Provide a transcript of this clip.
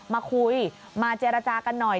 มาคุยมาเจรจากันหน่อย